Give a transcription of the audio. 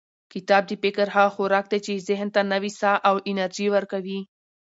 کتاب د فکر هغه خوراک دی چې ذهن ته نوې ساه او انرژي ورکوي.